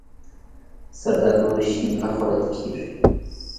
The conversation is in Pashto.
زردالو شین نه خوړل کېږي.